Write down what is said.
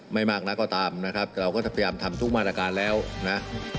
ไม่มากนักก็ตามนะครับเราก็จะพยายามทำทุกมาตรการแล้วนะ